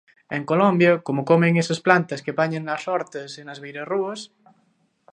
En Colombia, como comen esas plantas que apañan nas hortas e nas beirarrúas...